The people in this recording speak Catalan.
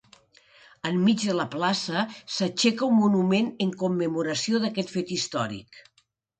Enmig de la plaça s'aixeca un monument en commemoració d'aquest fet històric.